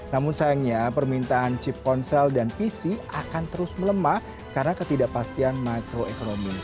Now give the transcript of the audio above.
namun sayangnya permintaan chip ponsel dan pc akan terus melemah karena ketidakpastian makroekonomi